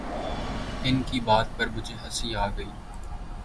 ان کی بات پر مجھے ہنسی آ گئی